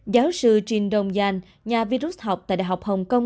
giáo sư trinh đông giang nhà vi rút học tại đại học hồng kông